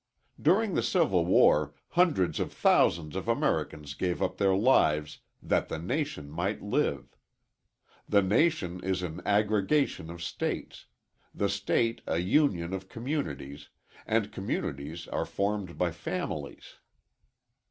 During the Civil War hundreds of thousands of Americans gave up their lives "that the nation might live." The nation is an aggregation of States, the State a union of communities, and communities are formed by families.